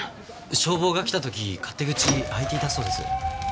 消防が来た時勝手口開いていたそうです。